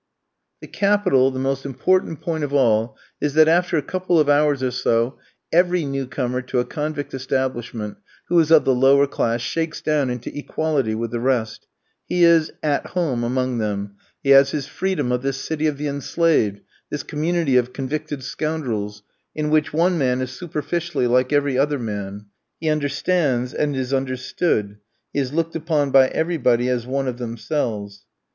The capital, the most important point of all is, that after a couple of hours or so, every new comer to a convict establishment, who is of the lower class, shakes down into equality with the rest; he is at home among them, he has his "freedom" of this city of the enslaved, this community of convicted scoundrels, in which one man is superficially like every other man; he understands and is understood, he is looked upon by everybody as one of themselves.